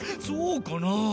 そうかな？